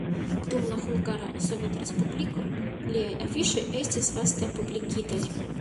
Dum la Hungara Sovetrespubliko liaj afiŝoj estis vaste publikitaj.